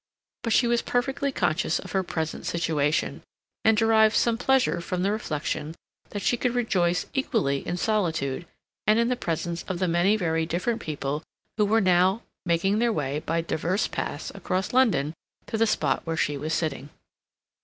But she was perfectly conscious of her present situation, and derived some pleasure from the reflection that she could rejoice equally in solitude, and in the presence of the many very different people who were now making their way, by divers paths, across London to the spot where she was sitting.